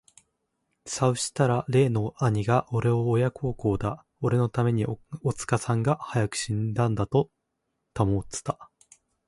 さうしたら例の兄がおれを親不孝だ、おれの為めに、おつかさんが早く死んだんだと云つた。